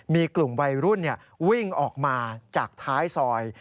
มีกลุ่มวัยรุ่นวิ่งออกมาจากท้ายซอย